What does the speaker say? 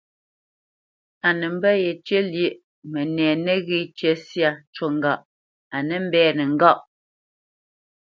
A nə mbə̄ yecyə́ lyéʼmbî, mənɛ nəghé cə syâ cú ŋgâʼ a nə́ mbɛ́nə́ ŋgâʼ.